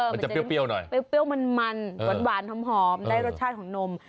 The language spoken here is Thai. มันจะเปรี้ยวหน่อยเปรี้ยวมันหวานหอมได้รสชาติของนม